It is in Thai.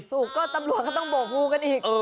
หูสู้ก็ตำรวจข้าวต้องบวกงูกันอีก